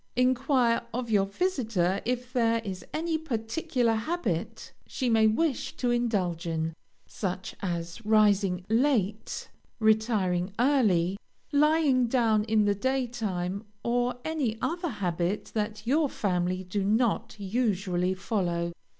Enquire of your visitor if there is any particular habit she may wish to indulge in, such as rising late, retiring early, lying down in the daytime, or any other habit that your family do not usually follow.